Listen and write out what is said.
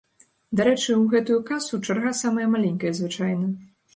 Дарэчы, у гэтую касу чарга самая маленькая звычайна.